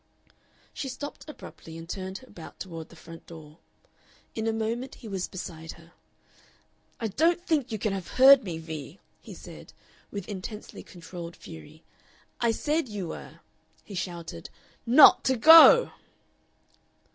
She stopped abruptly, and turned about toward the front door. In a moment he was beside her. "I don't think you can have heard me, Vee," he said, with intensely controlled fury. "I said you were" he shouted "NOT TO GO!"